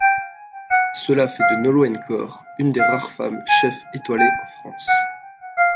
Cela fait de Nolwenn Corre une des rares femmes chef étoilées en France.